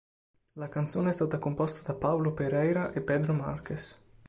La canzone è stata composta da Paulo Pereira e Pedro Marques.